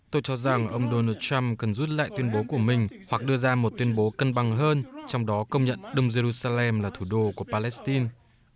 tôi cho rằng ông donald trump cần rút lại tuyên bố của mình hoặc đưa ra một tuyên bố cân bằng hơn trong đó công nhận đông jerusalem là thủ đô của palestine